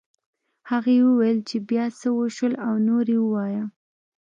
هغې وویل چې بيا څه وشول او نور یې ووایه